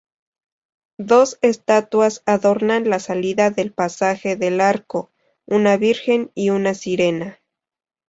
Dos estatuas adornan la salida del pasaje del arco: una Virgen y una sirena.